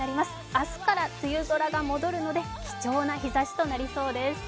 明日から梅雨空が戻るので貴重な日ざしとなりそうです。